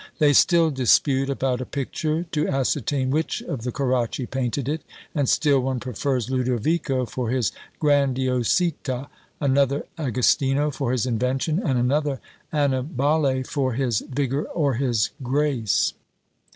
They still dispute about a picture, to ascertain which of the Caracci painted it; and still one prefers Lodovico for his _grandiositÃ _, another Agostino for his invention, and another Annibale for his vigour or his grace.